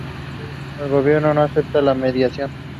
El Gobierno no aceptó la mediación.